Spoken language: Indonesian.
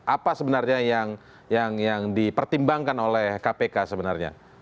apa sebenarnya yang dipertimbangkan oleh kpk sebenarnya